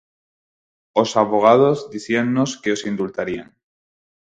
Os avogados dicíannos que os indultarían.